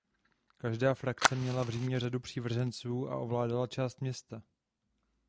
Každá frakce měla v Římě řadu přívrženců a ovládala část města.